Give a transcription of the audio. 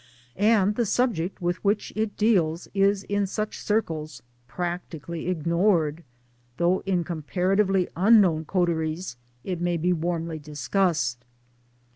; and the subject with which it deals is in such circles practically ignored though in comparatively unknown coteries it may be warmly discussed.